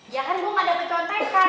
ya kan gue gak dapat contekan